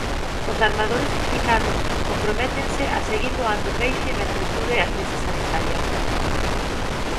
Os armadores implicados comprométense a seguir doando peixe mentres dure a crise sanitaria.